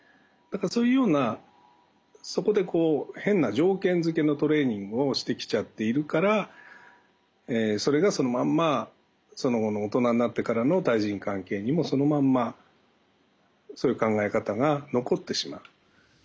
だからそういうようなそこで変な条件づけのトレーニングをしてきちゃっているからそれがそのまんまその後の大人になってからの対人関係にもそのまんまそういう考え方が残ってしまう。